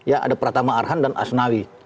ada pratama arhan dan asnawi